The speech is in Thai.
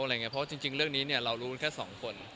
แล้วที่ราวจริงเมื่อเนี่ยเรารู้กันแค่สองคนก็คือบริเวณเค้า